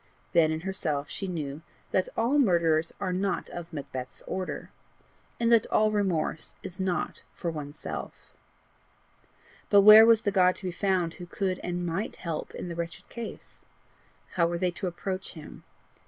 Then in herself she knew that all murderers are not of Macbeth's order, and that all remorse is not for oneself. But where was the God to be found who could and MIGHT help in the wretched case? How were they to approach him?